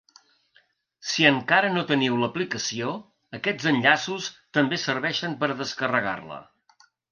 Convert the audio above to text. Si encara no teniu l’aplicació, aquests enllaços també serveixen per a descarregar-la.